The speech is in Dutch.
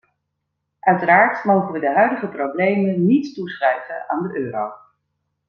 Uiteraard mogen we de huidige problemen niet toeschrijven aan de euro.